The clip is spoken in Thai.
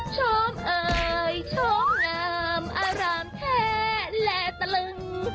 ชมเอ่ยชมงามอารามแท้และตึง